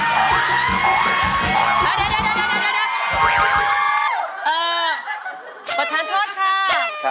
ประธานโทษค่ะ